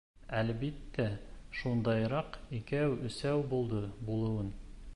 Әлбиттә, шундайыраҡ икәү-өсәү булды булыуын.